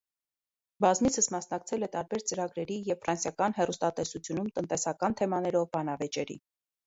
Բազմիցս մասնակցել է տարբեր ծրագրերի և ֆրանսիական հեռուստատեսությունում տնտեսական թեմաներով բանավեճերի։